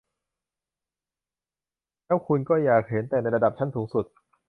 แล้วคุณก็อยากเห็นแต่ในระดับชั้นสูงสุด